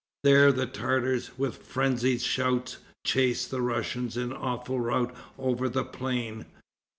There the Tartars, with frenzied shouts, chased the Russians in awful rout over the plain.